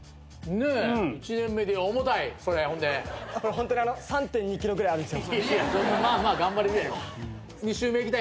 ホントに３．２ｋｇぐらいあるんすよ。